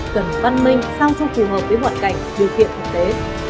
cần văn minh sau trong phù hợp với hoạt cảnh điều kiện thực tế